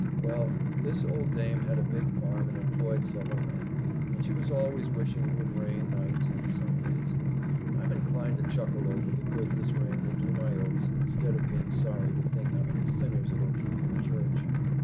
Well, this old dame had a big farm and employed several men, and she was always wishing it would rain nights and Sundays. I'm inclined to chuckle over the good this rain will do my oats, instead of being sorry to think how many sinners it'll keep from church.